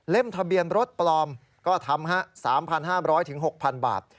เล่มทะเบียนรถปลอมก็ทำ๓๕๐๐บาทถึง๖๐๐๐บาท